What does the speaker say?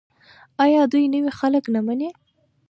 آیا دوی نوي خلک نه مني؟